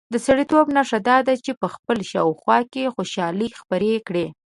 د سړیتوب نښه دا ده چې په خپل شاوخوا کې خوشالي خپره کړي.